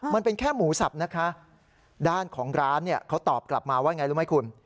มันเป็นแค่หมูสับนะคะด้านของร้านเนี่ยเขาตอบกลับมาว่าไงรู้ไหมคุณ